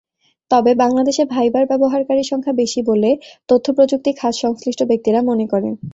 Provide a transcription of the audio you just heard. তবে বাংলাদেশে ভাইবার ব্যবহারকারীর সংখ্যা বেশি বলে তথ্যপ্রযুক্তি খাত-সংশ্লিষ্ট ব্যক্তিরা মনে করেন।